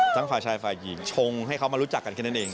ทั้งปลายชายเปลี่ยนชงให้เค้ามารู้จักกันแค่นั้นเอง